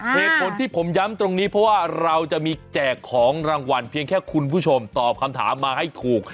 เหตุผลที่ผมย้ำตรงนี้เพราะว่าเราจะมีแจกของรางวัลเพียงแค่คุณผู้ชมตอบคำถามมาให้ถูก